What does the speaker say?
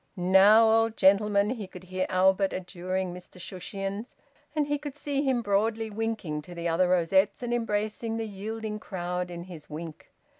"Now, old gentleman," he could hear Albert adjuring Mr Shushions, and he could see him broadly winking to the other rosettes and embracing the yielding crowd in his wink.